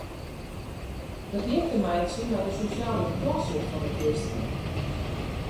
Dat hie ek te meitsjen mei de sosjale klasse fan de kristenen.